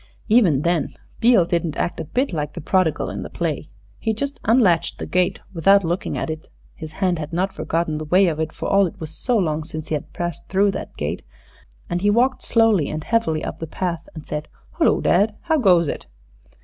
Even then Beale didn't act a bit like the prodigal in the play. He just unlatched the gate without looking at it his hand had not forgotten the way of it, for all it was so long since he had passed through that gate. And he walked slowly and heavily up the path and said, "Hullo, dad! how goes it?"